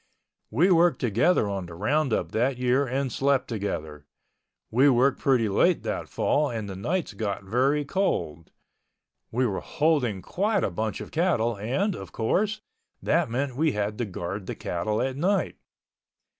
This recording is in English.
We worked together on the roundup that year and slept together. We worked pretty late that fall and the nights got very cold. We were holding quite a bunch of cattle and, of course, that meant we had to guard the cattle at night.